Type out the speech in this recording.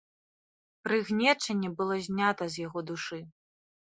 Прыгнечанне было знята з яго душы.